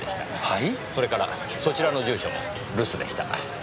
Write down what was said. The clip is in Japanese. それからそちらの住所も留守でした。